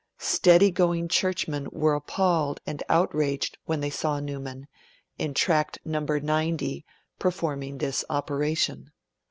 Steady going churchmen were appalled and outraged when they saw Newman, in Tract No. 90, performing this operation.